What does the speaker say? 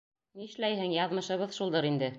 Ни эшләйһең, яҙмышыбыҙ шулдыр инде.